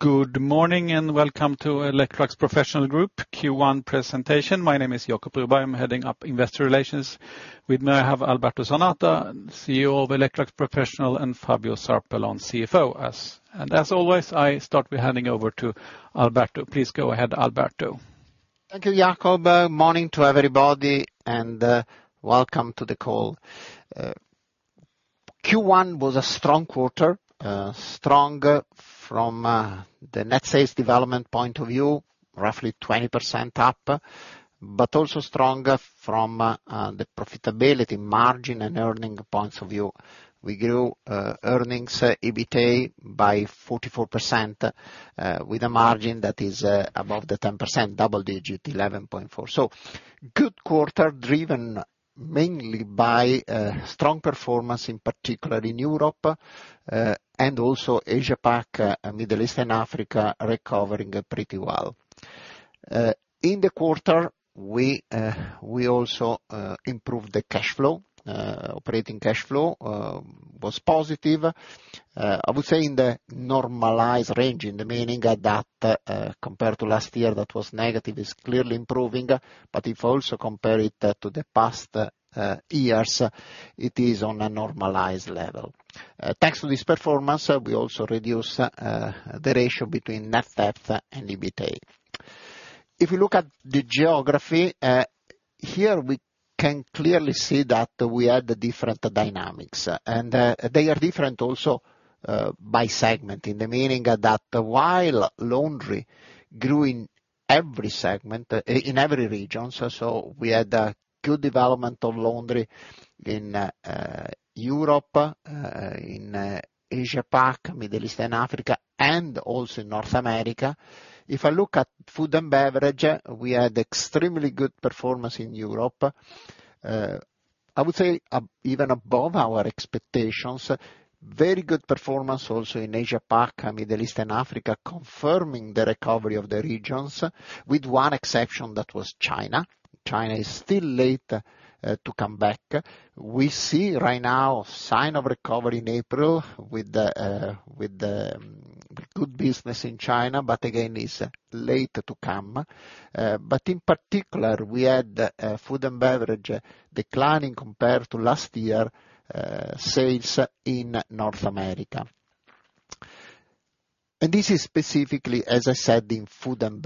Good morning, and welcome to Electrolux Professional Group Q1 presentation. My name is Jacob Broberg. I'm heading up investor relations. With me, I have Alberto Zanata, CEO of Electrolux Professional, and Fabio Zarpellon, CFO. As always, I start with handing over to Alberto. Please go ahead, Alberto. Thank you, Jacob. Morning to everybody, welcome to the call. Q1 was a strong quarter, strong from the net sales development point of view, roughly 20% up, but also strong from the profitability margin and earning points of view. We grew earnings, EBITA, by 44%, with a margin that is above the 10%, double digit, 11.4%. Good quarter, driven mainly by strong performance, in particular in Europe, and also Asia PAC, Middle East and Africa recovering pretty well. In the quarter, we also improved the cash flow. Operating cash flow was positive. I would say in the normalized range, in the meaning that, compared to last year that was negative, is clearly improving. If also compare it to the past years, it is on a normalized level. Thanks to this performance, we also reduce the ratio between net debt and EBITA. If you look at the geography, here we can clearly see that we had different dynamics. They are different also by segment, in the meaning that while laundry grew in every segment, in every region, so we had a good development of laundry in Europe, in Asia PAC, Middle East and Africa, and also North America. If I look at food and beverage, we had extremely good performance in Europe. I would say even above our expectations. Very good performance also in Asia PAC, and Middle East and Africa, confirming the recovery of the regions, with one exception, that was China. China is still late to come back. We see right now sign of recovery in April with the good business in China, but again, it's late to come. In particular, we had food and beverage declining compared to last year sales in North America. This is specifically, as I said, in food and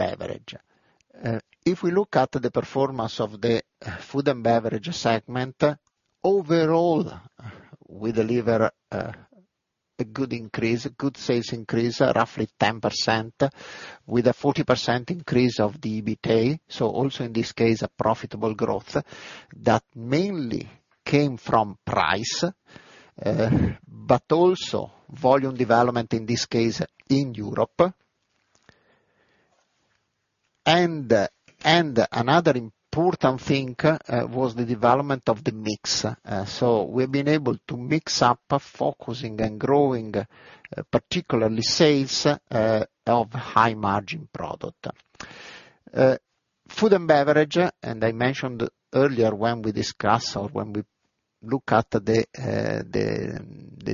beverage. If we look at the performance of the food and beverage segment, overall, we deliver a good increase, a good sales increase, roughly 10%, with a 40% increase of the EBITA. Also in this case, a profitable growth that mainly came from price, but also volume development, in this case, in Europe. Another important thing was the development of the mix. We've been able to mix up focusing and growing particularly sales of high margin product. Food and beverage. I mentioned earlier when we discuss or when we look at the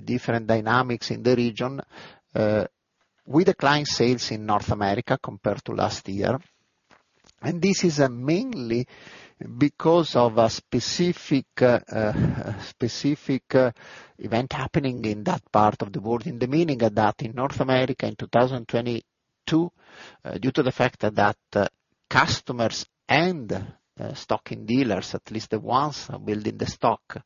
different dynamics in the region, we declined sales in North America compared to last year. This is mainly because of a specific event happening in that part of the world. In the meaning that in North America in 2022, due to the fact that customers and stocking dealers, at least the ones building the stock,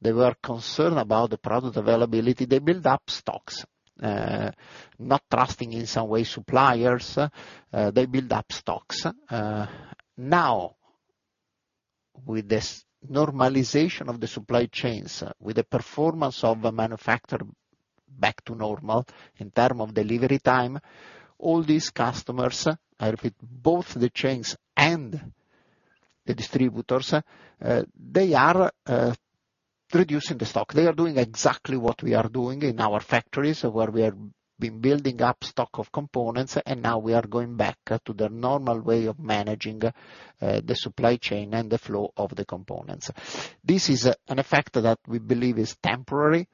they were concerned about the product availability. They build up stocks, not trusting in some way suppliers, they build up stocks. Now, with this normalization of the supply chains, with the performance of the manufacturer back to normal in term of delivery time, all these customers, I repeat, both the chains and the distributors, they are reducing the stock. They are doing exactly what we are doing in our factories, where we have been building up stock of components, and now we are going back to the normal way of managing the supply chain and the flow of the components. This is an effect that we believe is temporary,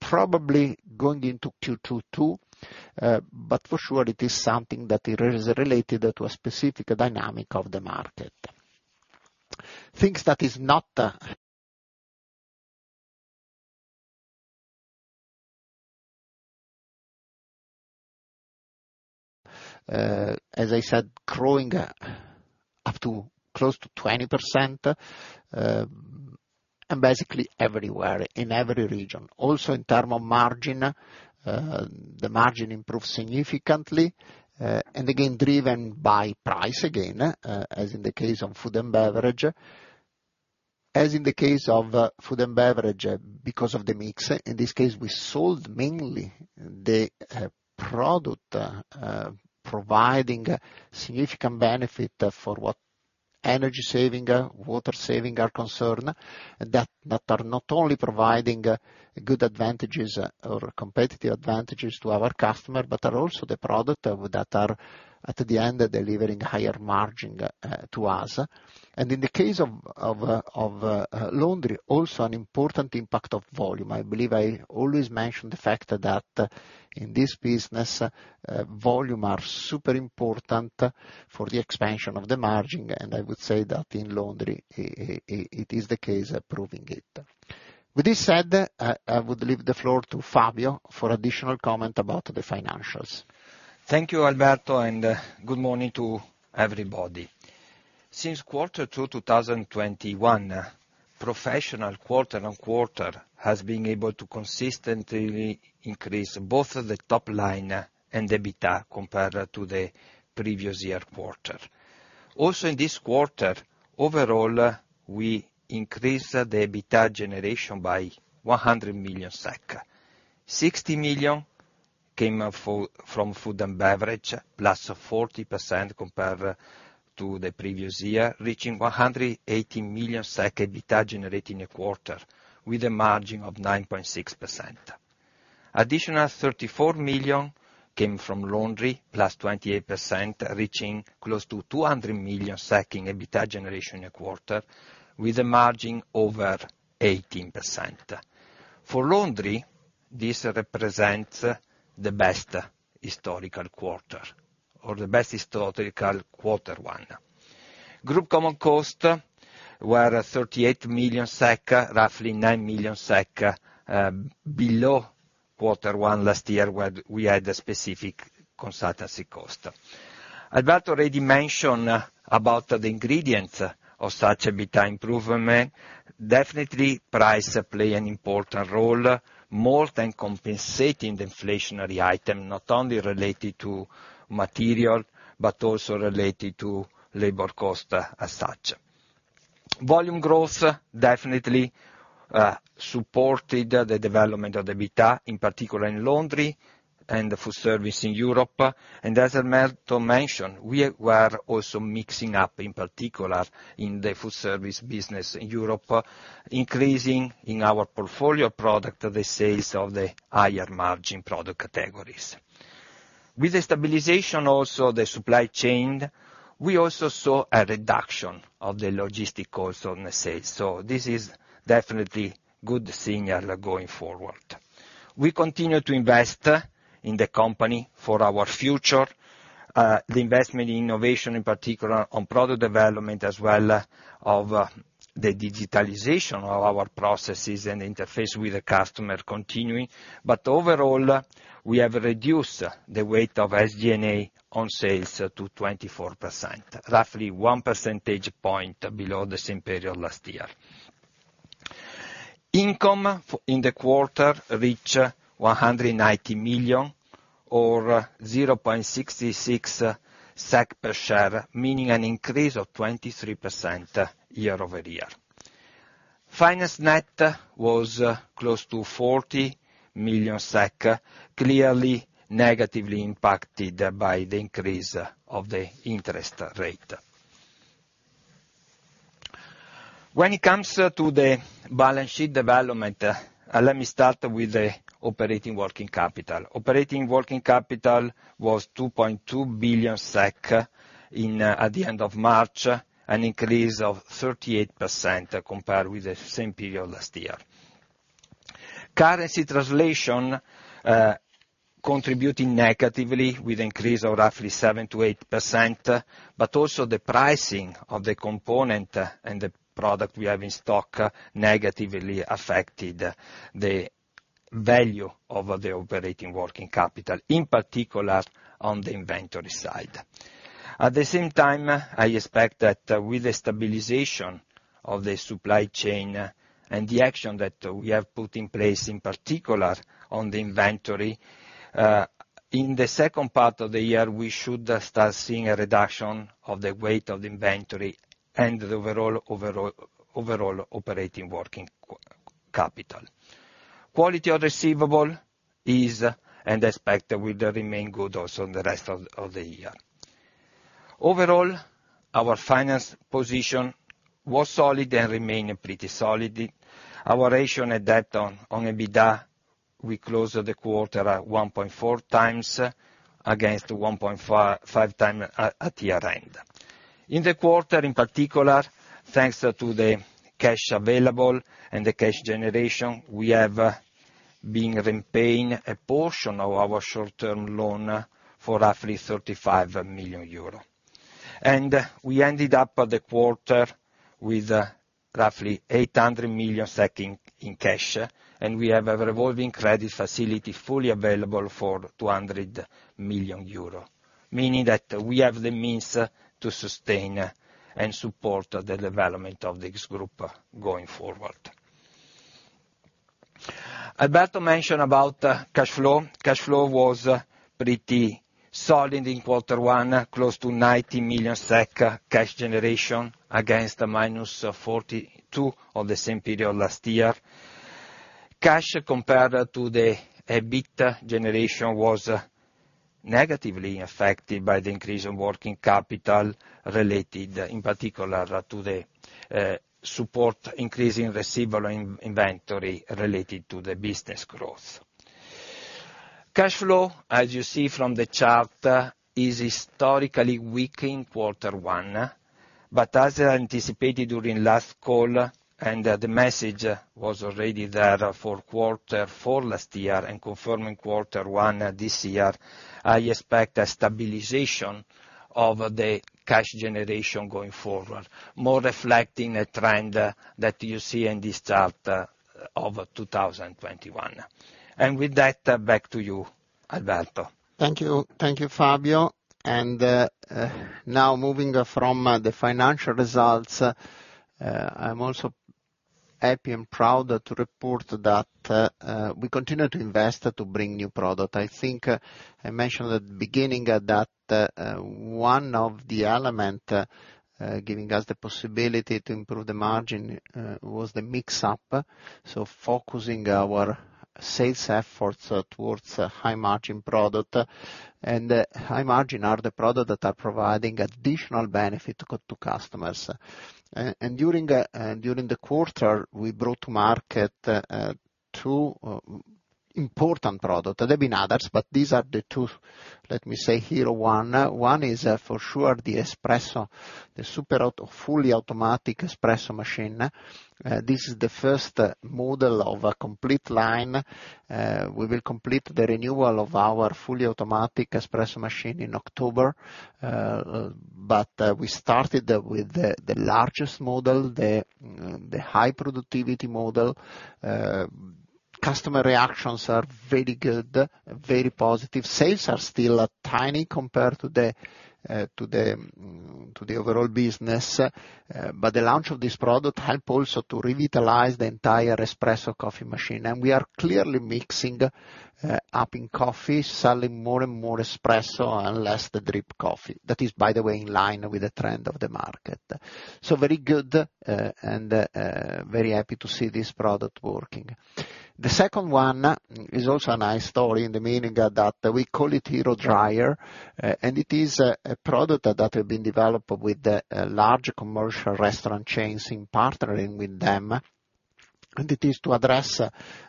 probably going into Q2 too, but for sure it is something that is related to a specific dynamic of the market. Things that is not, as I said, growing up to close to 20%, and basically everywhere in every region. In term of margin, the margin improved significantly, driven by price again, as in the case of food and beverage. As in the case of food and beverage, because of the mix, in this case, we sold mainly the product, providing significant benefit for Energy saving, water saving are concern that are not only providing good advantages or competitive advantages to our customer, but are also the product of that are, at the end, delivering higher margin, to us. In the case of laundry, also an important impact of volume. I believe I always mention the fact that in this business, volume are super important for the expansion of the margin, and I would say that in laundry, it is the case proving it. With this said, I would leave the floor to Fabio for additional comment about the financials. Thank you, Alberto. Good morning to everybody. Since quarter two, 2021, Professional quarter-on-quarter has been able to consistently increase both the top line and the EBITDA compared to the previous year quarter. In this quarter, overall, we increased the EBITDA generation by 100 million SEK. 60 million came from food and beverage, +40% compared to the previous year, reaching 180 million EBITDA generated in a quarter with a margin of 9.6%. Additional 34 million came from laundry, +28%, reaching close to 200 million in EBITDA generation a quarter, with a margin over 18%. For laundry, this represents the best historical quarter, or the best historical quarter one. Group common costs were 38 million SEK, roughly 9 million SEK, below quarter one last year, where we had a specific consultancy cost. Alberto already mentioned about the ingredients of such EBITDA improvement. Definitely price play an important role, more than compensating the inflationary item, not only related to material, but also related to labor cost, as such. Volume growth definitely supported the development of the EBITDA, in particular in laundry and the food service in Europe. As Alberto mentioned, we were also mixing up, in particular in the food service business in Europe, increasing in our portfolio product the sales of the higher margin product categories. With the stabilization also the supply chain, we also saw a reduction of the logistic cost on the sales. This is definitely good signal going forward. We continue to invest in the company for our future. The investment in innovation, in particular on product development, as well, of the digitalization of our processes and interface with the customer continuing. Overall, we have reduced the weight of SG&A on sales to 24%, roughly 1 percentage point below the same period last year. Income in the quarter reached 190 million or 0.66 SEK per share, meaning an increase of 23% year-over-year. Finance net was close to 40 million SEK, clearly negatively impacted by the increase of the interest rate. When it comes to the balance sheet development, let me start with the operating working capital. Operating working capital was 2.2 billion SEK at the end of March, an increase of 38% compared with the same period last year. Currency translation, contributing negatively with increase of roughly 7%-8%, but also the pricing of the component and the product we have in stock negatively affected the value of the operating working capital, in particular on the inventory side. At the same time, I expect that with the stabilization of the supply chain and the action that we have put in place, in particular on the inventory, in the second part of the year, we should start seeing a reduction of the weight of the inventory and the overall operating working capital. Quality of receivable is and expect will remain good also in the rest of the year. Overall, our finance position was solid and remained pretty solid. Our ratio net debt on EBITDA, we closed the quarter at 1.4 times against 1.5 times at year-end. In the quarter in particular, thanks to the cash available and the cash generation, we have been repaying a portion of our short-term loan for roughly 35 million euro. We ended up the quarter with roughly 800 million in cash, and we have a revolving credit facility fully available for 200 million euro, meaning that we have the means to sustain and support the development of this group going forward. Alberto mentioned about cash flow. Cash flow was pretty solid in quarter one, close to 90 million SEK cash generation against a -42 SEK of the same period last year. Cash compared to the EBIT generation was negatively affected by the increase in working capital related in particular to the support increase in receivable inventory related to the business growth. Cash flow, as you see from the chart, is historically weak in quarter one, but as anticipated during last call and the message was already there for quarter four last year and confirmed in quarter one this year, I expect a stabilization of the cash generation going forward, more reflecting a trend that you see in this chart of 2021. With that, back to you, Alberto Zanata. Thank you. Thank you, Fabio. Now moving from the financial results, I'm also happy and proud to report that we continue to invest to bring new product. I think I mentioned at the beginning that one of the element giving us the possibility to improve the margin was the mix up. Focusing our sales efforts towards high margin product and high margin are the product that are providing additional benefit to customers. During the quarter, we brought to market two important product. There have been others, but these are the two, let me say here. One is for sure the espresso, the super-automatic, fully automatic espresso machine. This is the first model of a complete line. We will complete the renewal of our fully automatic espresso machine in October. We started with the largest model, the high productivity model. Customer reactions are very good, very positive. Sales are still tiny compared to the overall business. The launch of this product help also to revitalize the entire espresso coffee machine. We are clearly mixing up in coffee, selling more and more espresso and less the drip coffee. That is, by the way, in line with the trend of the market. Very good and very happy to see this product working. The second one is also a nice story in the meaning that we call it Hero Dryer, and it is a product that have been developed with the large commercial restaurant chains in partnering with them. It is to address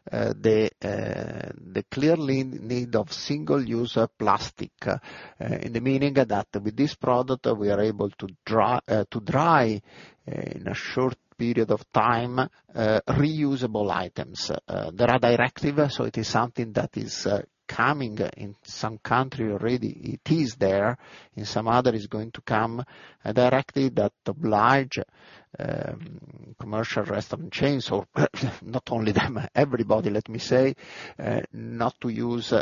the clear need of single user plastic, in the meaning that with this product, we are able to dry in a short period of time reusable items. There are directive, so it is something that is coming in some country already. It is there, in some other is going to come directly that oblige commercial restaurant chains or not only them, everybody, let me say, not to use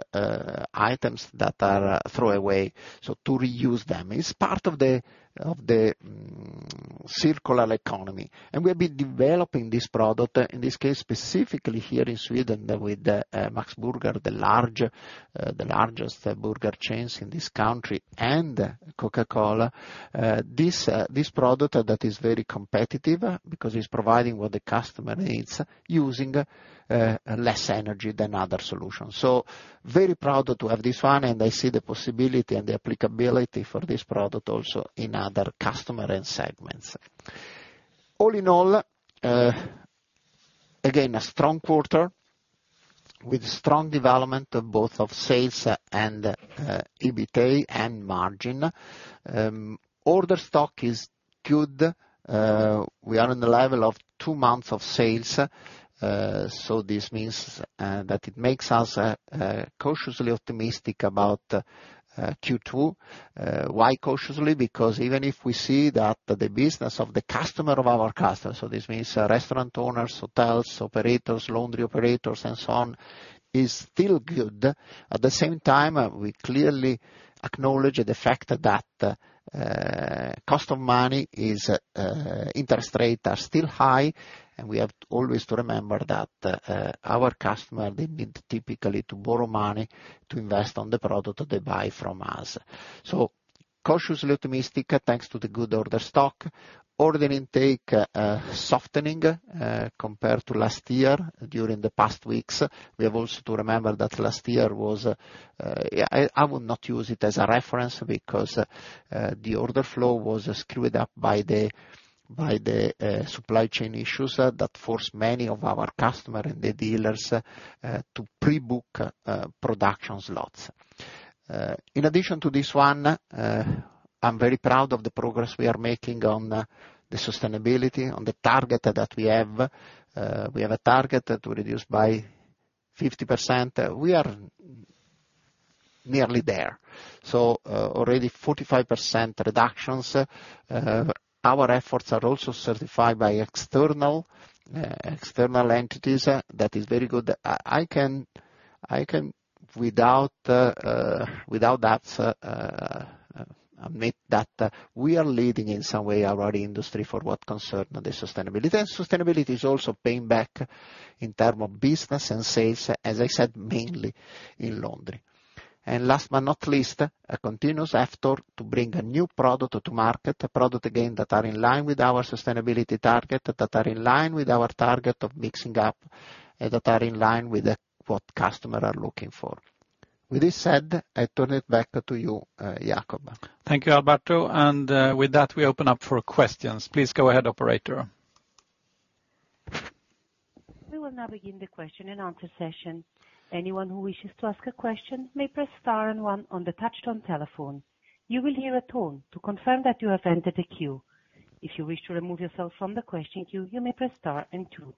items that are throw away, so to reuse them. It's part of the circular economy. We've been developing this product, in this case, specifically here in Sweden with Max Burgers, the largest burger chains in this country, and Coca-Cola. This product that is very competitive because it's providing what the customer needs using less energy than other solutions. Very proud to have this one, and I see the possibility and the applicability for this product also in other customer end segments. All in all, again, a strong quarter with strong development of both of sales and EBITA and margin. Order stock is good. We are in the level of two months of sales, so this means that it makes us cautiously optimistic about Q2. Why cautiously? Because even if we see that the business of the customer of our customers, so this means restaurant owners, hotels, operators, laundry operators, and so on, is still good. At the same time, we clearly acknowledge the fact that cost of money is interest rates are still high, and we have always to remember that our customer, they need typically to borrow money to invest on the product they buy from us. Cautiously optimistic, thanks to the good order stock. Order intake, softening, compared to last year during the past weeks. We have also to remember that last year was I would not use it as a reference because the order flow was screwed up by the by the supply chain issues that forced many of our customer and the dealers to pre-book production slots. In addition to this one, I'm very proud of the progress we are making on the sustainability, on the target that we have. We have a target to reduce by 50%. We are nearly there. Already 45% reductions. Our efforts are also certified by external entities. That is very good. I can without that admit that we are leading in some way our industry for what concern the sustainability. Sustainability is also paying back in term of business and sales, as I said, mainly in laundry. Last but not least, a continuous effort to bring a new product to market, a product again that are in line with our sustainability target, that are in line with our target of mixing up, and that are in line with what customer are looking for. With this said, I turn it back to you, Jacob. Thank you, Alberto. With that, we open up for questions. Please go ahead, operator. We will now begin the question and answer session. Anyone who wishes to ask a question may press star and one on the touch-tone telephone. You will hear a tone to confirm that you have entered the queue. If you wish to remove yourself from the question queue, you may press star and two.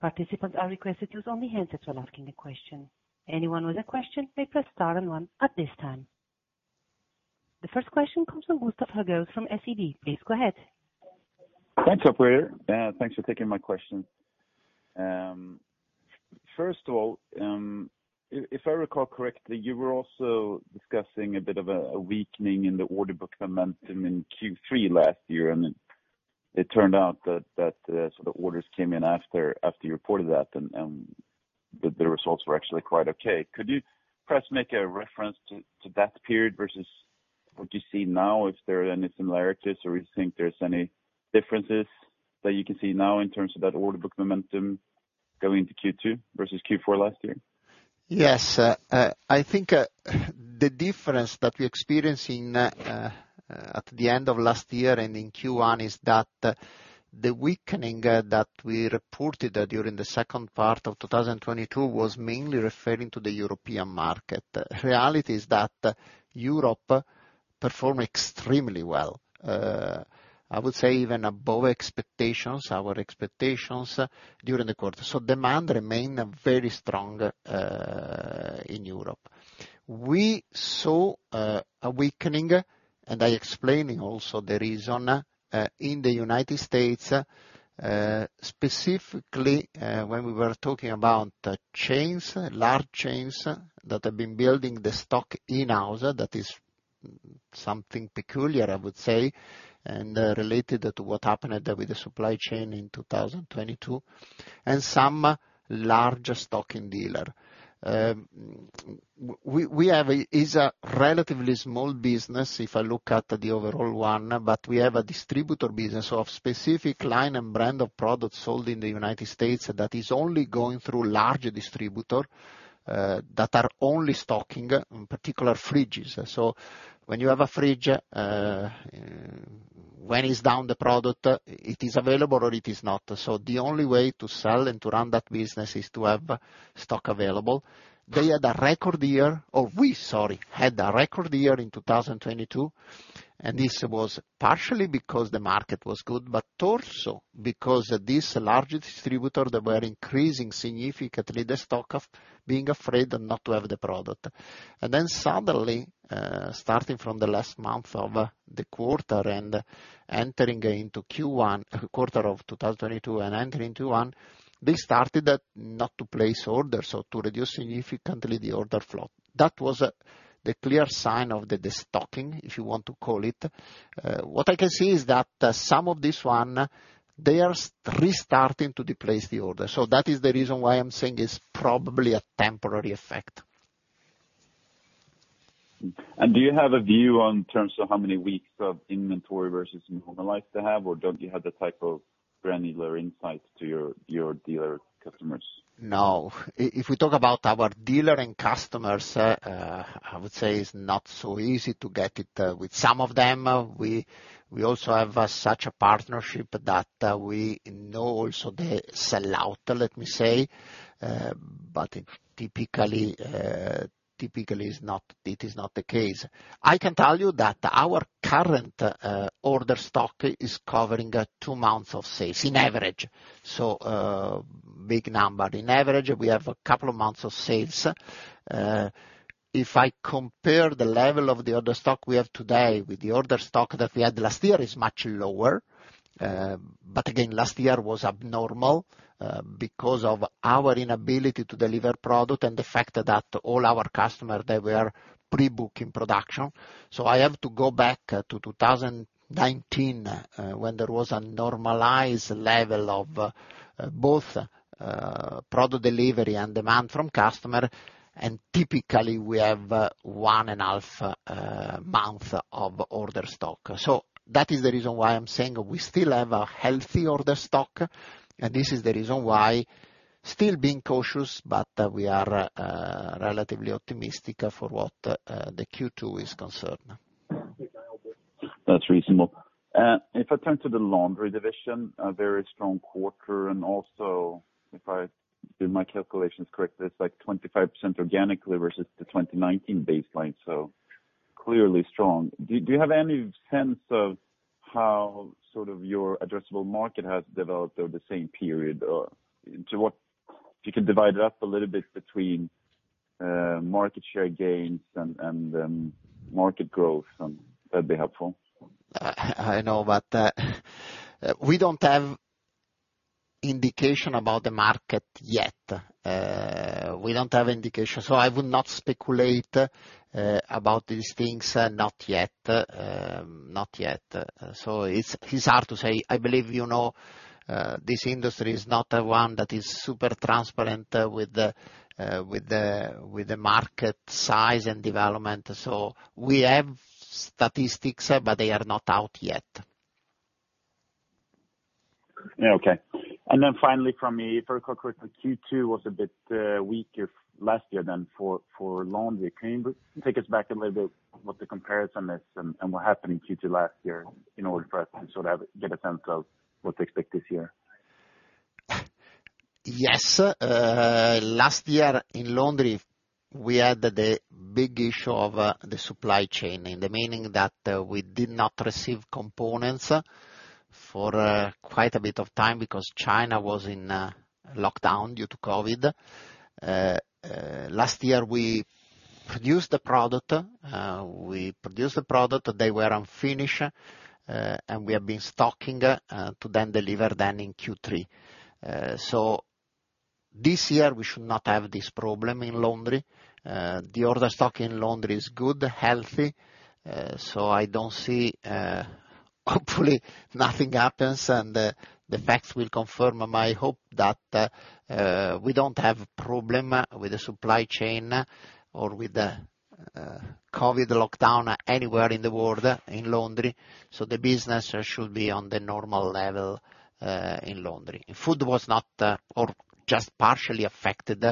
Participants are requested to use only handsets when asking the question. Anyone with a question may press star and one at this time. The first question comes from Gustav Hagéus from SEB. Please go ahead. Thanks, operator. Thanks for taking my question. First of all, if I recall correctly, you were also discussing a bit of a weakening in the order book momentum in Q3 last year. It turned out that, sort of orders came in after you reported that and the results were actually quite okay. Could you perhaps make a reference to that period versus what you see now, if there are any similarities or you think there's any differences that you can see now in terms of that order book momentum going to Q2 versus Q4 last year? Yes. I think the difference that we experienced in at the end of last year and in Q1 is that the weakening that we reported during the second part of 2022 was mainly referring to the European market. Reality is that Europe performed extremely well, I would say even above expectations, our expectations during the quarter. Demand remained very strong in Europe. We saw a weakening, and I explaining also the reason, in the United States, specifically, when we were talking about the chains, large chains that have been building the stock in-house. That is something peculiar, I would say, and related to what happened with the supply chain in 2022, and some large stocking dealer. We have a relatively small business if I look at the overall one, but we have a distributor business of specific line and brand of products sold in the United States that is only going through large distributor that are only stocking particular fridges. When you have a fridge, when it's down the product, it is available or it is not. The only way to sell and to run that business is to have stock available. They had a record year, or we, sorry, had a record year in 2022, and this was partially because the market was good, but also because these large distributors were increasing significantly the stock of being afraid not to have the product. Suddenly, starting from the last month of the quarter and entering into Q1, quarter of 2022, they started not to place orders or to reduce significantly the order flow. That was the clear sign of the destocking, if you want to call it. What I can say is that some of this one, they are restarting to place the order. That is the reason why I'm saying it's probably a temporary effect. Do you have a view on terms of how many weeks of inventory versus normal life they have, or don't you have the type of granular insights to your dealer customers? No. If we talk about our dealer and customers, I would say it's not so easy to get it with some of them. We also have such a partnership that we know also the sellout, let me say. It typically is not the case. I can tell you that our current order stock is covering 2 months of sales in average. Big number. In average, we have a couple of months of sales. If I compare the level of the order stock we have today with the order stock that we had last year, is much lower. Again, last year was abnormal because of our inability to deliver product and the fact that all our customers, they were pre-booking production. I have to go back to 2019 when there was a normalized level of both product delivery and demand from customer, and typically, we have one and half month of order stock. That is the reason why I'm saying we still have a healthy order stock, and this is the reason why still being cautious, but we are relatively optimistic for what the Q2 is concerned. That's reasonable. If I turn to the laundry division, a very strong quarter and also if I did my calculations correctly, it's like 25% organically versus the 2019 baseline. Clearly strong. Do you have any sense of how sort of your addressable market has developed over the same period? Or if you could divide it up a little bit between market share gains and market growth, that'd be helpful? I know, we don't have indication about the market yet. We don't have indication. I would not speculate about these things, not yet. Not yet. It's hard to say. I believe you know, this industry is not one that is super transparent with the market size and development. We have statistics, they are not out yet. Yeah. Okay. Then finally, from a vertical quarter, Q2 was a bit weaker last year than for laundry. Can you take us back a little bit what the comparison is and what happened in Q2 last year in order for us to sort of get a sense of what to expect this year? Yes. last year in laundry, we had the big issue of the supply chain, in the meaning that we did not receive components for quite a bit of time because China was in lockdown due to COVID. last year, we produced the product. They were unfinished, and we have been stocking to then deliver then in Q3. this year we should not have this problem in laundry. The order stock in laundry is good, healthy. I don't see, hopefully nothing happens, and the facts will confirm my hope that we don't have problem with the supply chain or with the COVID lockdown anywhere in the world in laundry. The business should be on the normal level in laundry. Food was not, or just partially affected,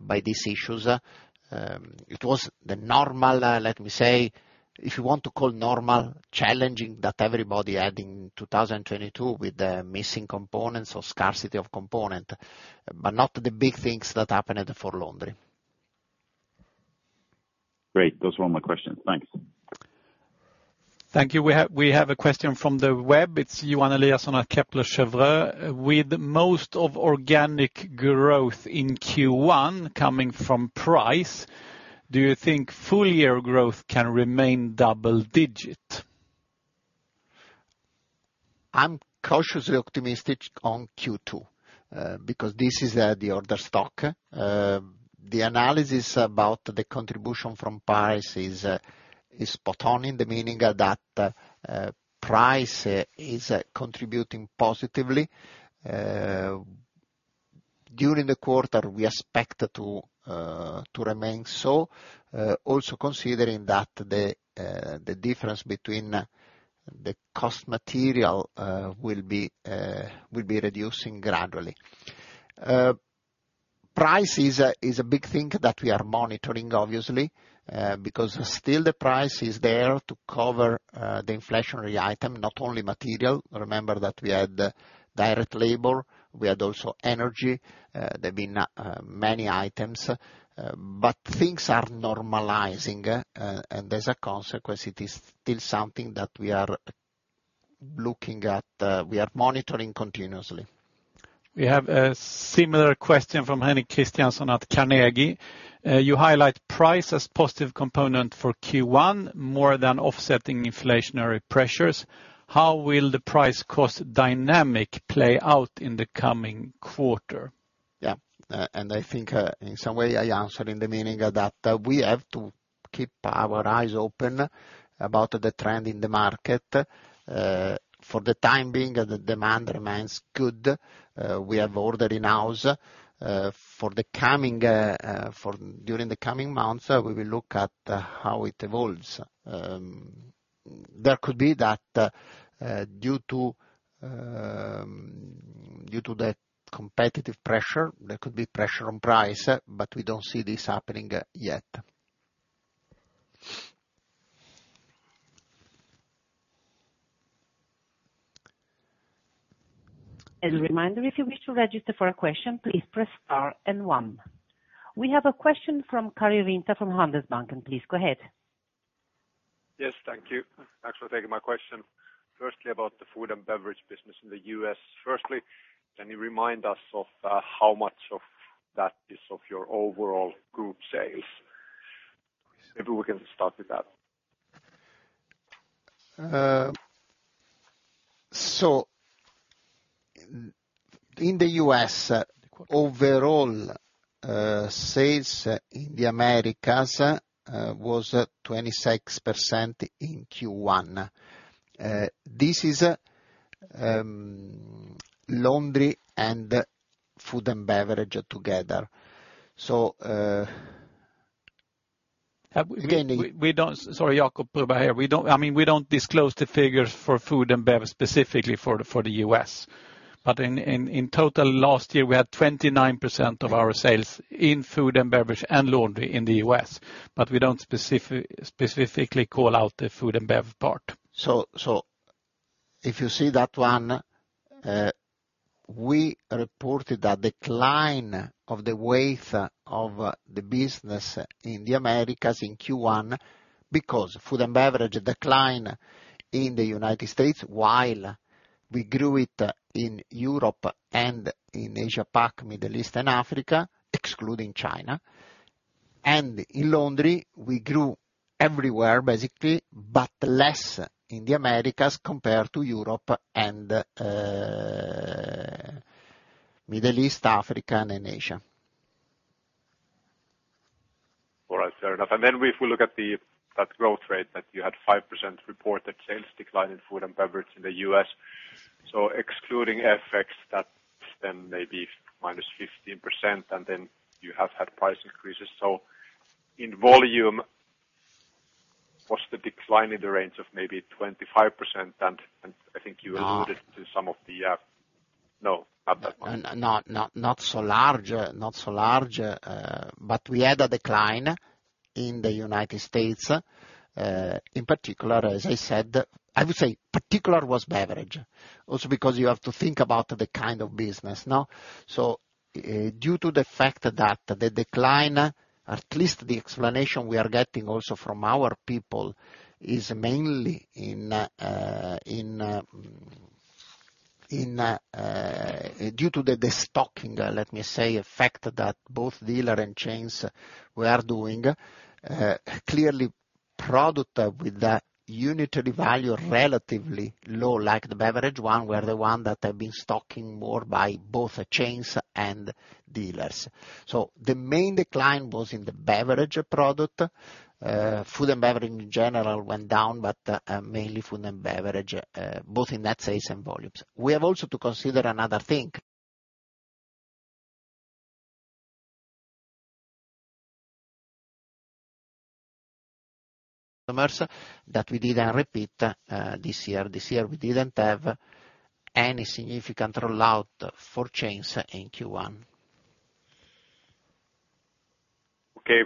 by these issues. It was the normal, let me say, if you want to call normal, challenging that everybody had in 2022 with the missing components or scarcity of component, but not the big things that happened for laundry. Great. Those were all my questions. Thanks. Thank you. We have a question from the web. It's Johan Eliason at Kepler Cheuvreux. With most of organic growth in Q1 coming from price, do you think full year growth can remain double-digit? I'm cautiously optimistic on Q2 because this is the order stock. The analysis about the contribution from price is spot on, in the meaning that price is contributing positively. During the quarter, we expect to remain so, also considering that the difference between the cost material will be reducing gradually. Price is a big thing that we are monitoring, obviously, because still the price is there to cover the inflationary item, not only material. Remember that we had direct labor. We had also energy. There's been many items. Things are normalizing, and as a consequence, it is still something that we are looking at, we are monitoring continuously. We have a similar question from Henrik Christiansson at Carnegie. You highlight price as positive component for Q1, more than offsetting inflationary pressures. How will the price cost dynamic play out in the coming quarter? Yeah. I think, in some way I answered in the meaning that we have to keep our eyes open about the trend in the market. For the time being, the demand remains good. We have order in-house. For the coming, for during the coming months, we will look at how it evolves. There could be that, due to, due to the competitive pressure, there could be pressure on price, but we don't see this happening yet. As a reminder, if you wish to register for a question, please press star and one. We have a question from Karri Rinta from Handelsbanken. Please go ahead. Yes, thank you. Thanks for taking my question. Firstly, about the food and beverage business in the U.S. Firstly, can you remind us of how much of that is of your overall group sales? Maybe we can start with that. In the U.S., overall, sales in the Americas, was 26% in Q1. This is laundry and food and beverage together. Sorry, Jacob here. I mean, we don't disclose the figures for food and beverage specifically for the US. In total, last year, we had 29% of our sales in food and beverage and laundry in the US. We don't specifically call out the food and bev part. If you see that one, we reported a decline of the weight of the business in the Americas in Q1 because food and beverage decline in the United States, while we grew it in Europe and in Asia, PAC, Middle East and Africa, excluding China. In laundry, we grew everywhere, basically, but less in the Americas compared to Europe and Middle East, Africa and Asia. All right. Fair enough. If we look at the, that growth rate that you had 5% reported sales decline in food and beverage in the U.S. Excluding FX, that's then maybe -15%, and then you have had price increases. In volume, what's the decline in the range of maybe 25%? And I think you alluded- No. -to some of the... No, not that much. Not so large. Not so large. We had a decline in the United States in particular, as I said. I would say particular was beverage. Also because you have to think about the kind of business now. Due to the fact that the decline, at least the explanation we are getting also from our people, is mainly due to the destocking, let me say, effect that both dealer and chains were doing. Clearly product with the unitary value relatively low, like the beverage one, were the one that have been stocking more by both chains and dealers. The main decline was in the beverage product. Food and beverage in general went down. Mainly food and beverage, both in net sales and volumes. We have also to consider another thing. Customers that we didn't repeat, this year. This year, we didn't have any significant rollout for chains in Q1. Okay.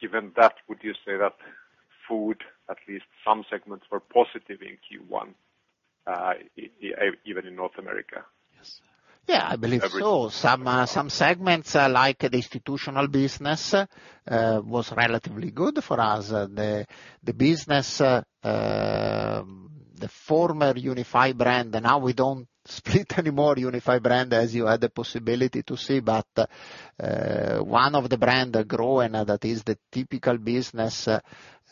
Given that, would you say that food, at least some segments, were positive in Q1, even in North America? Yes. Yeah, I believe so. Some, some segments, like the institutional business, was relatively good for us. The, the business, the former Unified Brand, and now we don't split anymore Unified Brands, as you had the possibility to see. One of the brand growing, that is the typical business,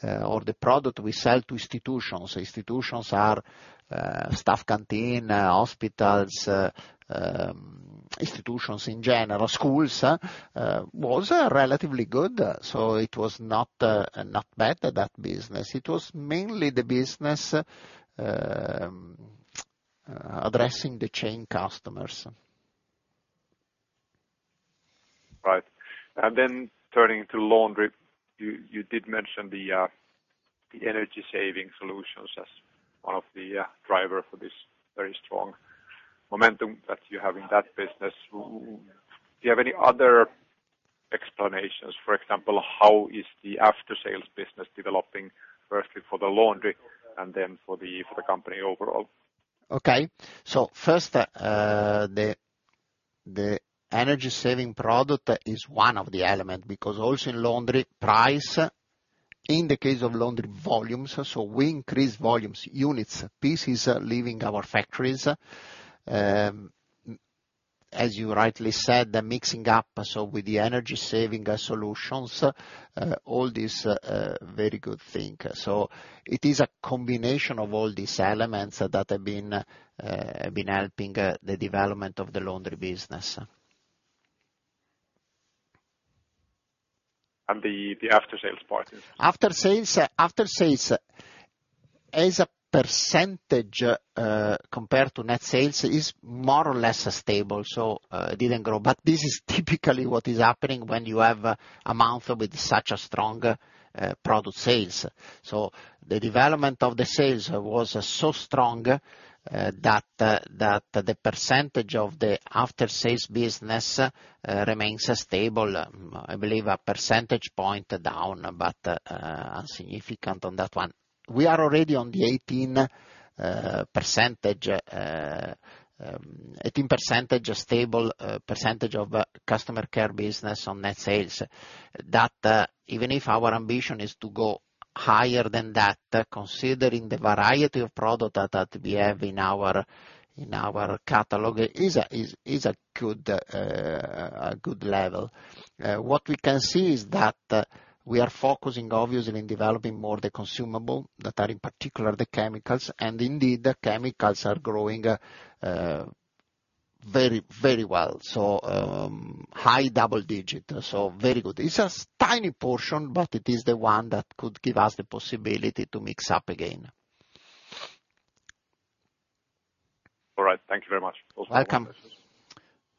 or the product we sell to institutions. Institutions are, staff canteen, hospitals, institutions in general, schools, was relatively good, so it was not bad, that business. It was mainly the business, addressing the chain customers. Right. Then turning to laundry, you did mention the energy saving solutions as one of the driver for this very strong momentum that you have in that business. Do you have any other explanations? For example, how is the after-sales business developing, firstly for the laundry and then for the company overall? Okay, first, the energy-saving product is one of the element because also in laundry, price, in the case of laundry, volumes. We increase volumes, units, pieces leaving our factories. As you rightly said, the mixing up, so with the energy-saving solutions, all this very good thing. It is a combination of all these elements that have been helping the development of the laundry business. The after-sales part is? After sales. After sales as a percentage, compared to net sales is more or less stable. It didn't grow. This is typically what is happening when you have a month with such a strong product sales. The development of the sales was so strong that the percentage of the after-sales business remains stable. I believe a percentage point down, but insignificant on that one. We are already on the 18% stable percentage of customer care business on net sales. Even if our ambition is to go higher than that, considering the variety of product that we have in our catalog, is a good level. What we can see is that we are focusing obviously on developing more the consumable that are in particular the chemicals. Indeed, the chemicals are growing very, very well. High double digit, so very good. It's a tiny portion, but it is the one that could give us the possibility to mix up again. All right. Thank you very much. Welcome.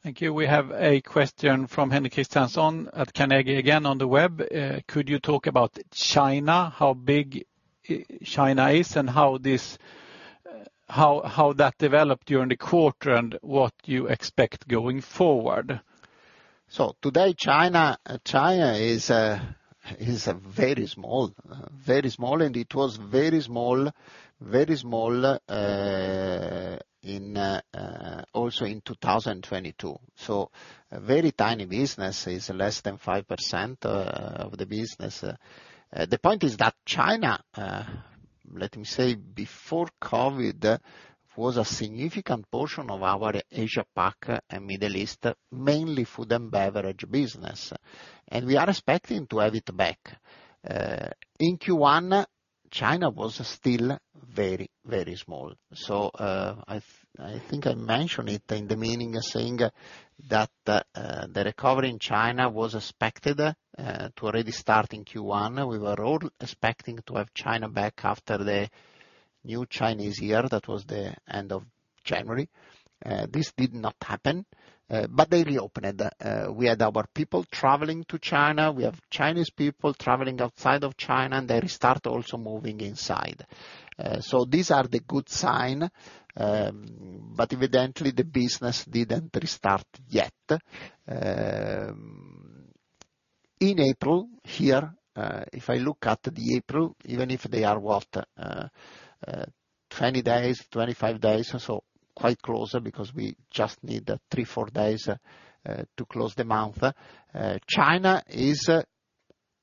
Thank you. We have a question from Henrik Christiansson at Carnegie, again on the web. Could you talk about China, how big China is and how that developed during the quarter and what you expect going forward? Today, China is very small. Very small, and it was very small in 2022. Very tiny business, is less than 5% of the business. The point is that China, let me say before COVID, was a significant portion of our Asia Pac and Middle East, mainly food and beverage business. We are expecting to have it back. In Q1, China was still very small. I think I mentioned it in the meaning saying that the recovery in China was expected to already start in Q1. We were all expecting to have China back after the New Chinese Year, that was the end of January. This did not happen, but they reopened. We had our people traveling to China. We have Chinese people traveling outside of China. They restart also moving inside. These are the good sign. Evidently the business didn't restart yet. In April here, if I look at the April, even if they are 20 days, 25 days, so quite close because we just need 3, 4 days to close the month. China is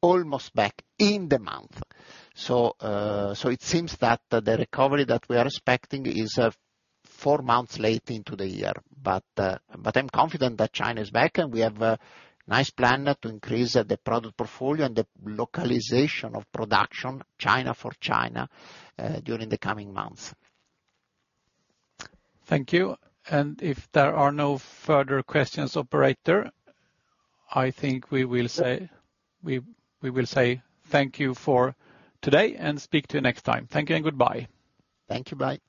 almost back in the month. It seems that the recovery that we are expecting is 4 months late into the year. I'm confident that China is back, and we have a nice plan to increase the product portfolio and the localization of production, China for China, during the coming months. Thank you. If there are no further questions, operator, I think we will say thank you for today and speak to you next time. Thank you and goodbye. Thank you. Bye.